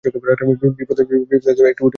বিপ্রদাস একটু উঠে বসল।